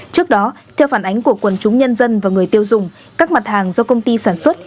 trước đó theo phản ánh của quần chúng nhân dân và người tiêu dùng các mặt hàng do công ty sản xuất